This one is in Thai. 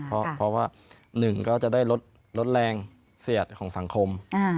เพราะว่า๑ก็จะได้ลดแรงเสียดของสังคม